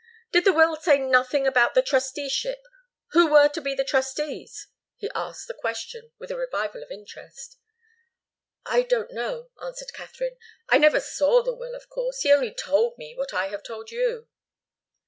"Did the will say nothing about the trusteeship? Who were to be the trustees?" He asked the question with a revival of interest. "I don't know," answered Katharine. "I never saw the will, of course. He only told me what I have told you."